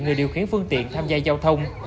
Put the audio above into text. người điều khiển phương tiện tham gia giao thông